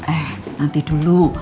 eh nanti dulu